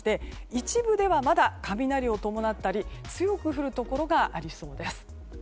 一部では、まだ雷を伴ったり強く降るところがありそうです。